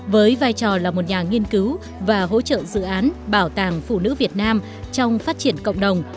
với vai trò là một nhà nghiên cứu và hỗ trợ dự án bảo tàng phụ nữ việt nam trong phát triển cộng đồng